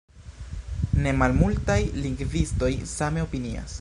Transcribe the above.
Nemalmultaj lingvistoj same opinias.